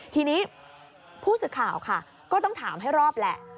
ทีนี้ผู้สื่อข่าวค่ะก็ต้องถามให้รอบแหละ